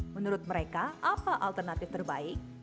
menurut mereka apa alternatif terbaik